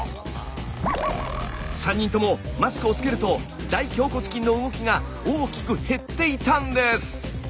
３人ともマスクをつけると大頬骨筋の動きが大きく減っていたんです！